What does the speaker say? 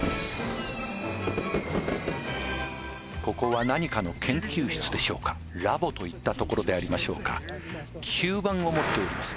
ここは何かの研究室でしょうかラボといったところでありましょうか吸盤を持っております